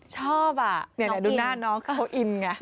ชอบอะเดี๋ยวหน่อยดูหน้าน้องเขาอินไง